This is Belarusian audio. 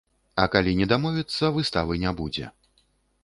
А калі не дамовіцца, выставы не будзе.